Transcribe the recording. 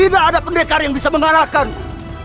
tidak ada pendekar yang bisa mengalahkan